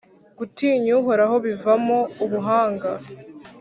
gutinya Uhoraho bivamo ubuhanga.